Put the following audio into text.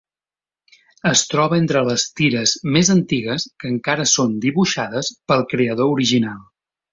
Es troba entre les tires més antigues que encara són dibuixades pel creador original.